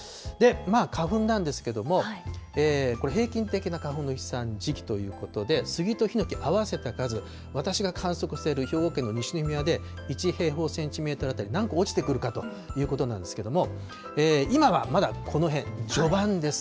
花粉なんですけども、平均的な花粉の飛散時期ということで、スギとヒノキ合わせた数、私が観測している兵庫県の西宮で１平方センチメートル当たり何個落ちてくるかということなんですけれども、今はまだこのへん、序盤です。